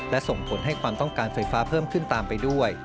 และส่งผลให้ความต้องการไฟฟ้าเพิ่มขึ้นตามไปด้วย